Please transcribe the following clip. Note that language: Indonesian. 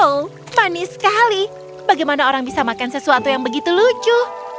oh panis sekali bagaimana orang bisa makan sesuatu yang begitu lucu